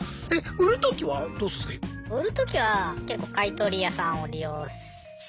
売るときは結構買い取り屋さんを利用したり。